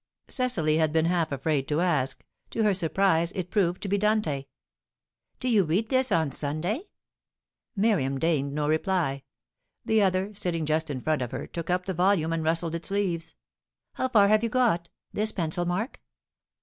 Cecily had been half afraid to ask; to her surprise it proved to be Dante. "Do you read this on Sunday?" Miriam deigned no reply. The other, sitting just in front of her, took up the volume and rustled its leaves. "How far have you got? This pencil mark?